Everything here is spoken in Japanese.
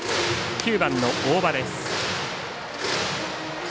９番の大場です。